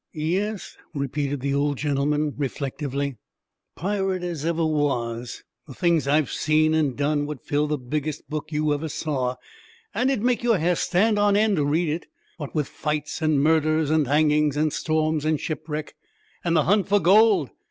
'Yes,' repeated the old gentleman, reflectively, 'pirate as ever was. The things I've seen and done would fill the biggest book you ever saw, and it'd make your hair stand on end to read it what with fights, and murders, and hangings, and storms, and shipwreck, and the hunt for gold!